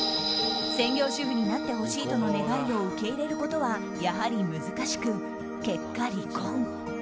専業主婦になってほしいとの願いを受け入れることはやはり難しく結果、離婚。